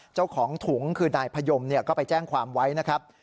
เจ้าของถุงคือนายพยมก็ไปแจ้งความไว้นะครับ